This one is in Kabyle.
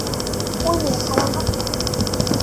Win yeɣran axir.